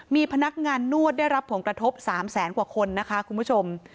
มีพนักงานนวดได้รับผลกระทบ๓แสนกว่าคนนะคะคุณผู้ชม